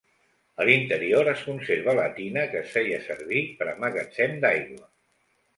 A l'interior es conserva la tina que es feia servir per a magatzem d'aigua.